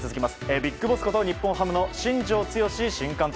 ビッグボスこと日本ハムの新庄剛志新監督。